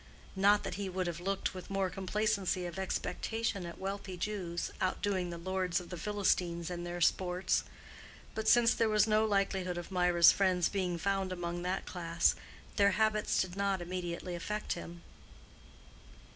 Not that he would have looked with more complacency of expectation at wealthy Jews, outdoing the lords of the Philistines in their sports; but since there was no likelihood of Mirah's friends being found among that class, their habits did not immediately affect him.